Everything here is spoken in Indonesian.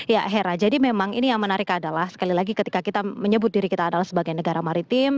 ya hera jadi memang ini yang menarik adalah sekali lagi ketika kita menyebut diri kita adalah sebagai negara maritim